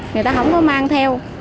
người ta không có mang theo